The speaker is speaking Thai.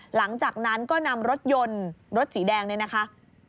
หลังจากนั้นก็นำรถยนต์รถสีแดงเนี่ยนะคะ